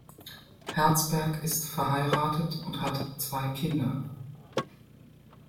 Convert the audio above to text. Herzberg ist verheiratet und hat zwei Kinder.